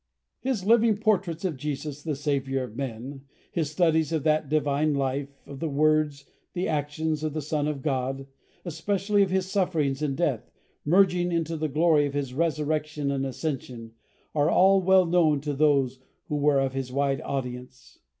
His living portraits of Jesus, the Saviour of men, his studies of that divine life, of the words, the actions of the Son of God, especially of His sufferings and death, merging into the glory of His resurrection and ascension, are all well known to those who were of his wide audience.